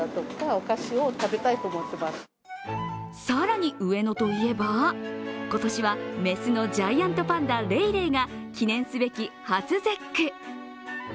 更に上野といえば今年は雌のジャイアントパンダレイレイが記念すべき初節句。